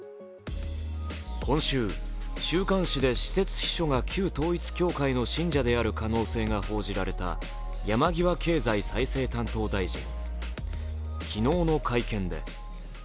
今週、週刊誌で私設秘書が旧統一教会の信者である可能性が報じられた山際経済再生担当大臣。